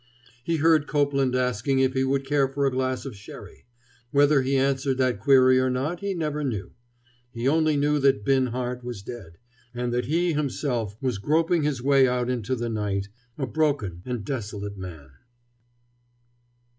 He heard Copeland asking if he would care for a glass of sherry. Whether he answered that query or not he never knew. He only knew that Binhart was dead, and that he himself was groping his way out into the night, a broken and desolate man.